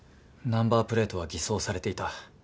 ナンバープレートは偽装されていた。